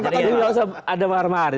jadi nggak usah ada mahar mahar